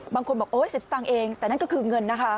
บางคนบอกโอ๊ย๑๐สตางค์เองแต่นั่นก็คือเงินนะคะ